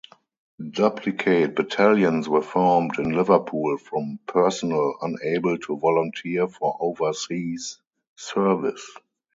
Duplicate battalions were formed in Liverpool from personnel unable to volunteer for overseas service.